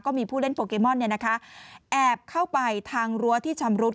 มีผู้เล่นโปเกมอนแอบเข้าไปทางรั้วที่ชำรุด